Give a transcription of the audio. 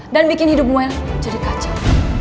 dan bikin hidupmu yang jadi kacau